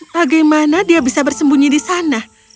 bagaimana dia bisa bersembunyi di sana